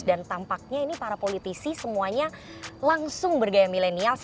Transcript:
dan tampaknya ini para politisi semuanya langsung bergaya milenial sih